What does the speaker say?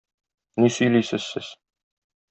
Ни сөйлисез сез?